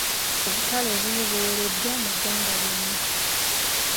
Obutale obumu buwereddwa mu ggwanga lyonna.